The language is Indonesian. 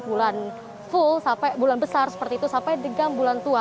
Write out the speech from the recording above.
bulan bulan besar seperti itu sampai bulan tua